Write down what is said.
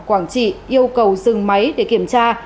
quảng trị yêu cầu dừng máy để kiểm tra